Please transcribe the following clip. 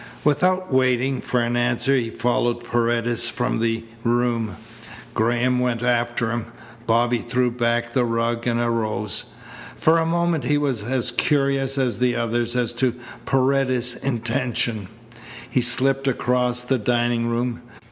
Without waiting for an answer he followed Paredes from the room. Graham went after him. Bobby threw back the rug and arose. For a moment he was as curious as the others as to Paredes's intention. He slipped across the dining room.